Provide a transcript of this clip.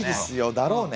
「だろうね」